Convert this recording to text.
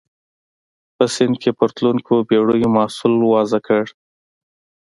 په سیند کې پر تلونکو بېړیو محصول وضع کړ.